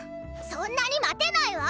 そんなにまてないわ！